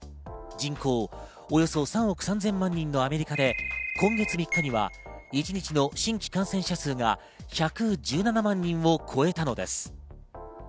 人口およそ３億３０００万人のアメリカで今月３日には一日の新規感染者数が１１７万人を超えたのです。